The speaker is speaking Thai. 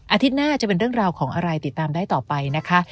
อาทิตย์หน้าจะเป็นเรื่องราวของอะไรติดตามได้ต่อไปนะคะ